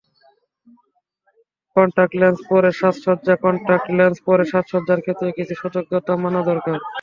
Contact lens পরে সাজসজ্জাকনট্যাক্ট lens পরে সাজসজ্জার ক্ষেত্রে কিছু সতর্কতা মানা দরকার।